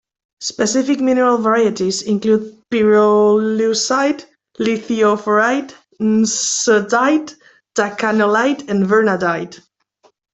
Specific mineral varieties include pyrolusite, lithiophorite, nsutite, takanelite and vernadite.